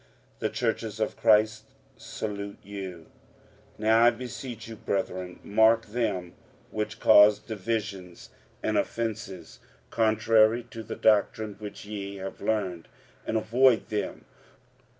The churches of Christ salute you. 45:016:017 Now I beseech you, brethren, mark them which cause divisions and offences contrary to the doctrine which ye have learned; and avoid them.